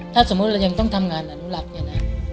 ถ้าสมมุติเรายังต้องทำงานอนุรักษ์เนี่ยนะ